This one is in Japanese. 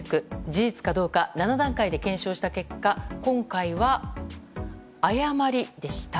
事実かどうか７段階で検証した結果今回は、誤りでした。